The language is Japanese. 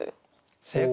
正解！